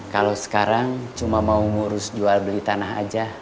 kalau sekarang cuma mau ngurus jual beli tanah aja